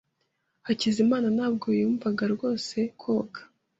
Hakizimana ntabwo yumvaga rwose koga.